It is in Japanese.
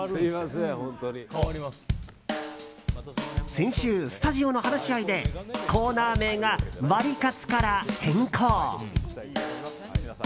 先週、スタジオの話し合いでコーナー名がワリカツから変更！